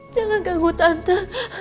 jangan ganggu tante